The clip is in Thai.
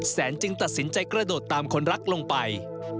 แสนจึงตัดสินใจกระโดดตามคนรักลงไป